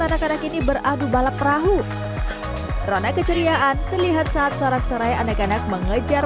anak anak ini beradu balap perahu rona keceriaan terlihat saat sarang sarai anak anak mengejar